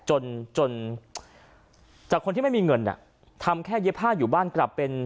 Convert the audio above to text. จนจนจากคนที่ไม่มีเงินอ่ะทำแค่เย็บผ้าอยู่บ้านกลับเป็น